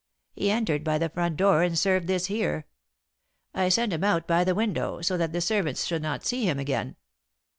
He entered by the front door and served this here. I sent him out by the window, so that the servants should not see him again.